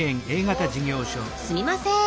すみません